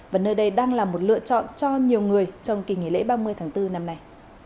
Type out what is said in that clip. và nơi đây đang là một lựa chọn cho nhiều người trong kỳ nghỉ lễ ba mươi tháng bốn năm nay